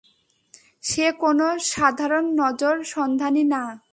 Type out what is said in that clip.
সে কোনো সাধারণ নজর সন্ধানী না।